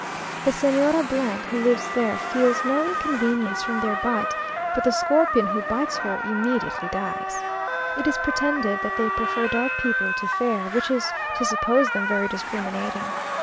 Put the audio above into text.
The Señora , who lives there, feels no inconvenience from their bite, but the scorpion who bites her immediately dies! It is pretended that they prefer dark people to fair, which is to suppose them very discriminating.